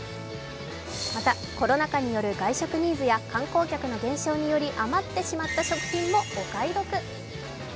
また、コロナ禍による外食ニーズや観光客の減少により余ってしまった食品もお買い得。